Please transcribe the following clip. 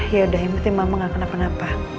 yaudah yang penting mama gak kena apa apa